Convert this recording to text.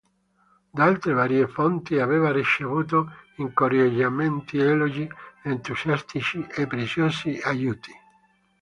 Da altre varie fonti aveva ricevuto incoraggiamenti, elogi entusiastici e preziosi aiuti.